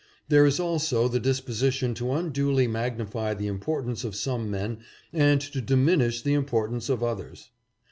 There is also the disposition to unduly magnify the importance of some men and to diminish the importance of others.